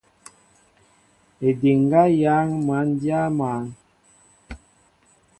Ediŋga yááŋ măn dya maá.